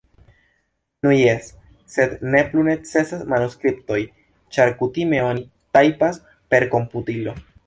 Nu jes, sed ne plu necesas manuskriptoj, ĉar kutime oni tajpas per komputilo.